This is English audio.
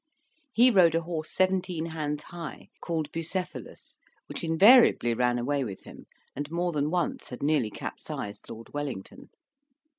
He rode a horse seventeen hands high, called Bucephalus, which invariably ran away with him, and more than once had nearly capsized Lord Wellington.